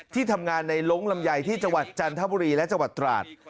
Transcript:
ที่ทำงานในล้งลำไยที่จังหวัดจันทบุรีและจังหวัดตราด